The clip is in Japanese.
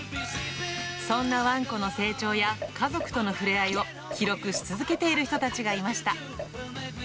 そんなワンコの成長や家族との触れ合いを記録し続けている人たちがいました。